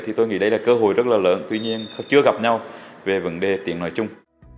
thì tôi nghĩ đây là cơ hội rất là lớn tuy nhiên chưa gặp nhau về vấn đề tiện lợi chung